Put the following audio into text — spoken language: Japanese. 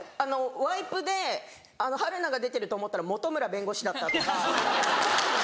「ワイプで春菜が出てると思ったら本村弁護士だった」とか。